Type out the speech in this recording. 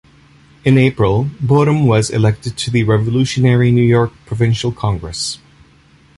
In April, Boerum was elected to the revolutionary New York Provincial Congress.